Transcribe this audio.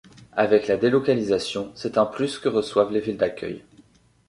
Avec la délocalisation, c'est un plus que reçoivent les villes d'accueil.